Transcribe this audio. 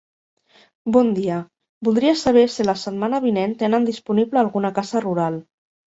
Bon dia, voldria saber si la setmana vinent tenen disponible alguna casa rural.